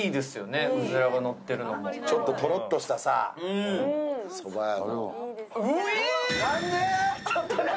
ちょっととろっとしたさ、そば。